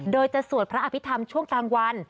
โดยจะสวดพระอภิษฐรรมช่วงกลางวัน